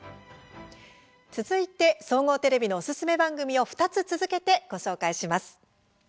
続いて総合テレビのおすすめ番組を２つ続けてご紹介します。